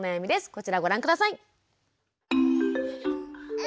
こちらをご覧下さい。